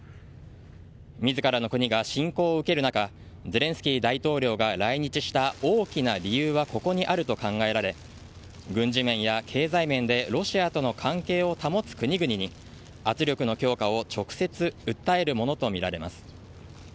自らの国が侵攻を受ける中ゼレンスキー大統領が来日した大きな理由はここにあると考えられ軍事面や経済面でロシアとの関係を保つ国々に圧力の強化を直接訴えるものとみられます。